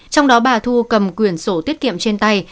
trong đó bà thu cầm quyền sổ tiết kiệm trên tay